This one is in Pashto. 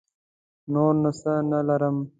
نور نو څه نه لرم.